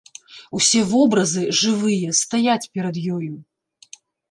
Усе вобразы, жывыя, стаяць перад ёю.